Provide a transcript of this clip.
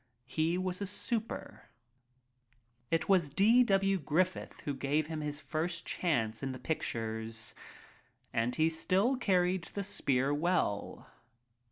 He was it 9? a super. ? It was D. W. Griffith who gave him his first chance in the pictures — and he still carried the spear well.